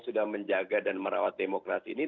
sudah menjaga dan merawat demokrasi ini